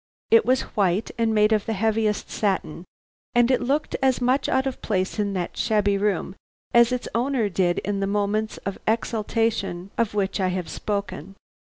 It was white, and made of the heaviest satin, and it looked as much out of place in that shabby room as its owner did in the moments of exaltation of which I have spoken.